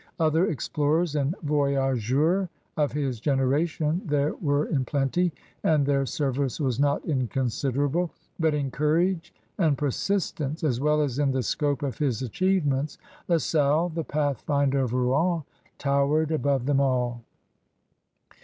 Other explorers and voyageurs of his generation there were in plenty, and their service was not inconsiderable. But in courage and persistence, as well as in the scope of his achievements. La Salle, the pathfinder of Rouen, towered above them all.